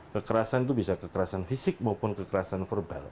kekerasan itu bisa kekerasan fisik maupun kekerasan verbal